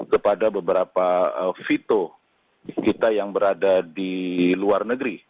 kepada beberapa fito kita yang berada di luar negeri